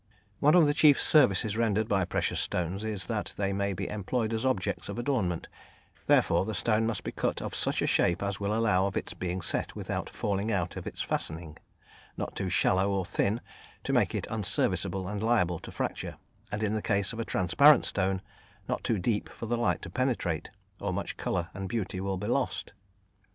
One of the chief services rendered by precious stones is that they may be employed as objects of adornment, therefore, the stone must be cut of such a shape as will allow of its being set without falling out of its fastening not too shallow or thin, to make it unserviceable and liable to fracture, and in the case of a transparent stone, not too deep for the light to penetrate, or much colour and beauty will be lost.